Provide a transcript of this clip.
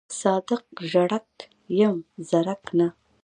صادق ژړک یم زرک نه.